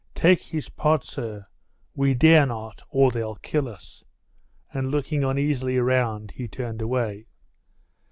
Take his part, sir. We dare not, or they'll kill us," and looking uneasily round he turned away.